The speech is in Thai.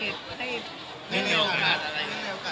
ไม่มีโอกาสอะไร